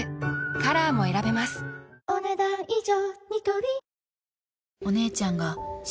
カラーも選べますお、ねだん以上。